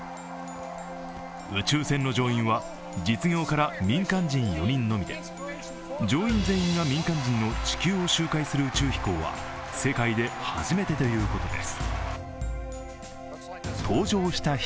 宇宙船の乗員は実業家ら民間人４人のみで乗員全員が民間人の地球を周回する宇宙旅行は世界で初めてということです。